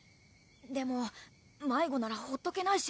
でも迷子ならほっとけないし。